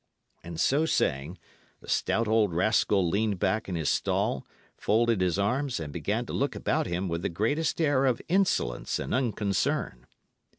And so saying, the stout old rascal leaned back in his stall, folded his arms, and began to look about him with the greatest air of insolence and unconcern.